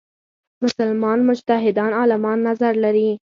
مسلمان مجتهدان عالمان نظر لري.